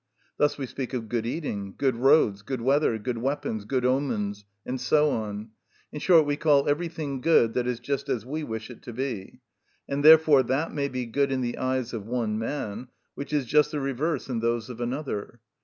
Thus we speak of good eating, good roads, good weather, good weapons, good omens, and so on; in short, we call everything good that is just as we wish it to be; and therefore that may be good in the eyes of one man which is just the reverse in those of another.